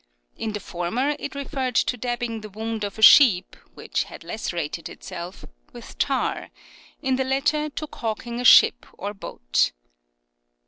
In the former it referred to dabbing the wound of a sheep, which had lacerated itself, with tar ; in the latter to caulking a ship or boat.